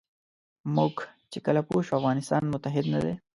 موږ چې کله پوه شو افغانستان متحد نه دی.